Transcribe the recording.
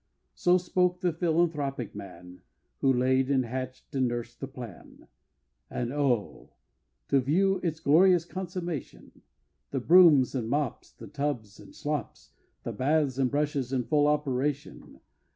So spoke the philanthropic man Who laid, and hatch'd, and nursed the plan And oh! to view its glorious consummation! The brooms and mops, The tubs and slops, The baths and brushes in full operation!